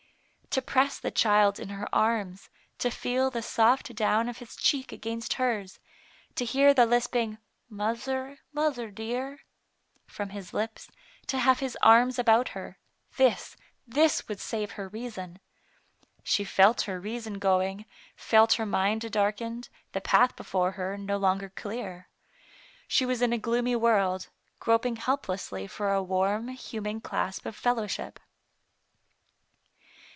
To press the child in her arms, to feel the soft down of his cheek against hers, to hear the lisping, " Muzzer, muzzer, dear, from his lips, to have his arms about her — this, this would save her reason. She felt her reason going, felt her mind darkened, the path before her no longer clear. She was in a gloomy world, groping helplessly for a warm, human clasp of fellowship.